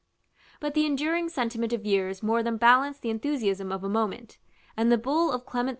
But the enduring sentiment of years more than balanced the enthusiasm of a moment; and the bull of Clement V.